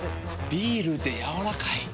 ビールでやわらかい。